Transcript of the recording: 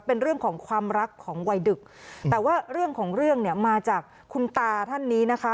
เป็นเรื่องของความรักของวัยดึกแต่ว่าเรื่องของเรื่องเนี่ยมาจากคุณตาท่านนี้นะคะ